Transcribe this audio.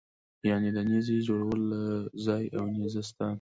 یعنې د نېزې جوړولو ځای او نېزه ستان.